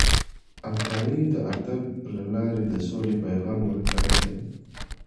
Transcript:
عطايي د ادب له لارې د سولې پیغام ورکړی دی